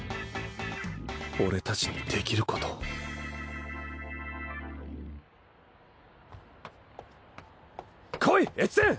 俺たちにできること来い越前！